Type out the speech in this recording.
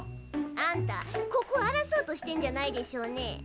あんたここあらそうとしてんじゃないでしょうね？